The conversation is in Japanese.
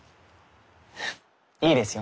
いいですよ